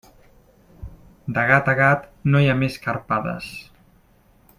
De gat a gat no hi ha més que arpades.